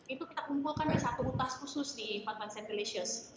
itu kita kumpulkan dari satu utas khusus di fun fun sentelicious